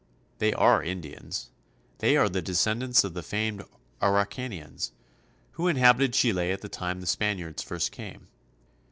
They are Indians. They are the descendants of the famed Araucanians, who inhabited Chile at the time the Spaniards first came.